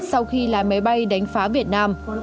sau khi lái máy bay đánh phá việt nam